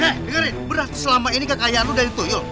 hei dengerin berarti selama ini kakak yaru dan itu yuk